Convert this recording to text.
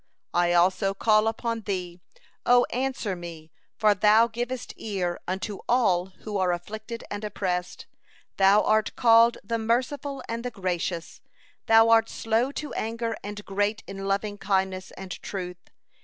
I also call upon Thee! O answer me, for Thou givest ear unto all who are afflicted and oppressed. Thou art called the Merciful and the Gracious; Thou art slow to anger and great in lovingkindness and truth.